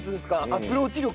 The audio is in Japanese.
アプローチ力